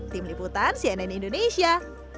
tim liputan cnn indonesia